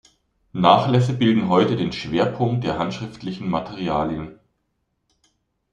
Nachlässe bilden heute den Schwerpunkt der handschriftlichen Materialien.